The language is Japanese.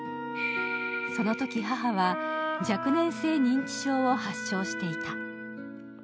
そのとき母は、若年性認知症を発症していた。